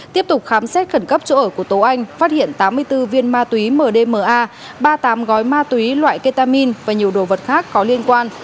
tiếp tục khám xét khẩn cấp chỗ ở của tố anh phát hiện tám mươi bốn viên ma túy mdma ba mươi tám gói ma túy loại ketamin và nhiều đồ vật khác có liên quan